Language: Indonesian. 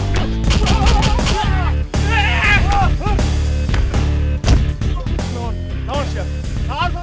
gak bisa apa apa salah kamu